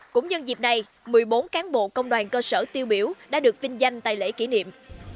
cũng nhân dịp này một mươi bốn cán bộ công đoàn cơ sở tiêu biểu đã được vinh danh tại lễ kỷ niệm